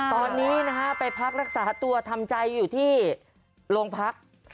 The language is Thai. ตอนนี้นะฮะไปพักรักษาตัวทำใจอยู่ที่โรงพัก